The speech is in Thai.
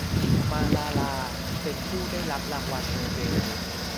มาลาลาเป็นผู้ได้รับรางวัลโนเบล